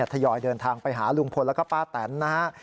ทยอยเดินทางไปหาลุงพลแล้วก็ป้าแตนนะฮะ